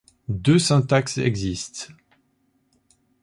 Deux syntaxes existent.